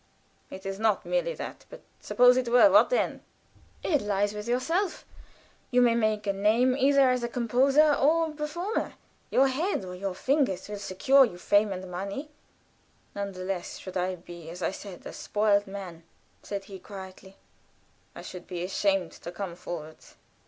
"It is not merely that; but suppose it were, what then?" "It lies with yourself. You may make a name either as a composer or performer your head or your fingers will secure you money and fame." "None the less should I be, as I said, a spoiled man," he said, quietly. "I should be ashamed to come forward.